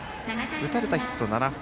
打たれたヒット７本。